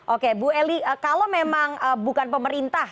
oke bu eli kalau memang bukan pemerintah